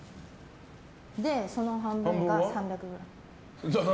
その半分が３００ｇ。